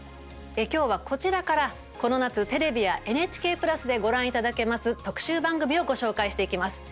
きょうは、こちらからこの夏、テレビやＮＨＫプラスでご覧いただけます特集番組をご紹介していきます。